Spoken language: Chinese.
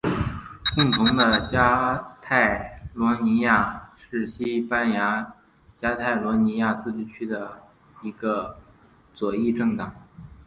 共同的加泰罗尼亚是西班牙加泰罗尼亚自治区的一个左翼政党。